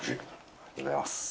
ありがとうございます。